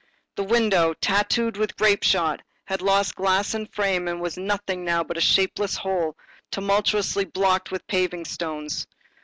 The window, tattooed with grape shot, had lost glass and frame and was nothing now but a shapeless hole, tumultuously blocked with paving stones.